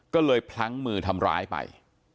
ก็เลยพลั้งมือทำร้ายไป